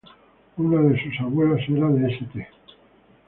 Una de sus abuelas era de St.